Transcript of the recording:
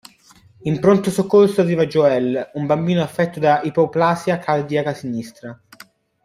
In pronto soccorso arriva Joel, un bambino affetto da ipoplasia cardiaca sinistra.